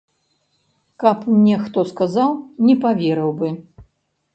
Каб мне хто сказаў, не паверыў бы.